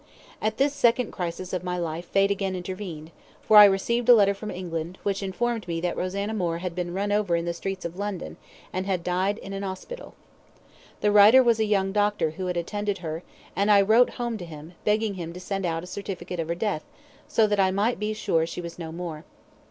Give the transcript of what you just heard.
At this second crisis of my life Fate again intervened, for I received a letter from England, which informed me that Rosanna Moore had been run over in the streets of London, and had died in an hospital. The writer was a young doctor who had attended her, and I wrote home to him, begging him to send out a certificate of her death, so that I might be sure she was no more.